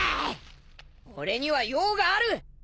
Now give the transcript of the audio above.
俺には用がある！